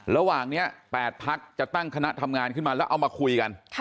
ระหว่างนี้๘พักจะตั้งคณะทำงานขึ้นมาแล้วเอามาคุยกัน